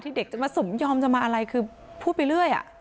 เด็กจะมาสมยอมจะมาอะไรคือพูดไปเรื่อย